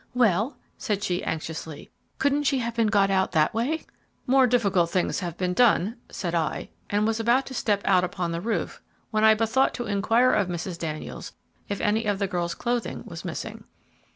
"Well," said she anxiously, "couldn't she have been got out that way?" "More difficult things have been done," said I; and was about to step out upon the roof when I bethought to inquire of Mrs. Daniels if any of the girl's clothing was missing.